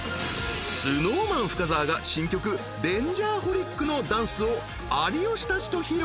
［ＳｎｏｗＭａｎ深澤が新曲『Ｄａｎｇｅｒｈｏｌｉｃ』のダンスを有吉たちと披露］